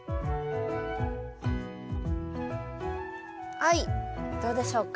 はいどうでしょうか？